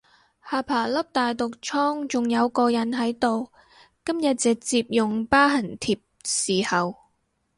下巴粒大毒瘡仲有個印喺度，今日直接用疤痕貼侍候